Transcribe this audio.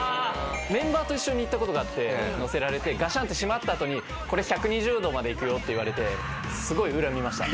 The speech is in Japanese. メンバーと一緒に行ったことがあって乗せられてガシャンって閉まった後にこれ１２０度まで行くよって言われてすごい恨みました。